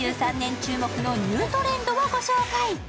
注目のニュートレンドをご紹介。